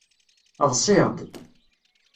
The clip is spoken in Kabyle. Ḍṣiɣ-d.